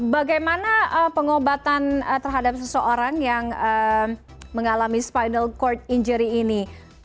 bagaimana pengobatan terhadap seseorang yang mengalami spinal cord injury ini